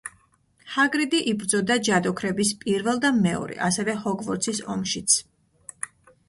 ჰაგრიდი იბრძოდა ჯადოქრების პირველ და მეორე, ასევე ჰოგვორტსის ომშიც.